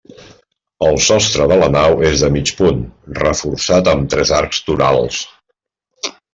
El sostre de la nau és de mig punt, reforçat amb tres arcs torals.